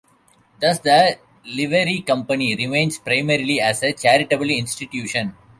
Thus, the Livery Company remains primarily as a charitable institution.